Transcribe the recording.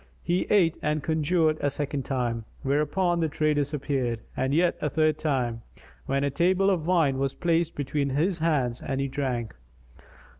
He ate and conjured a second time, whereupon the tray disappeared; and yet a third time, when a table of wine was placed between his hands and he drank.